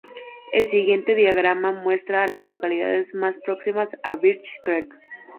El siguiente diagrama muestra a las localidades más próximas a Birch Creek.